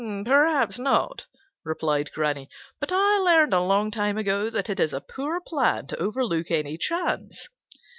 "Perhaps not," replied Granny, "but I learned a long time ago that it is a poor plan to overlook any chance.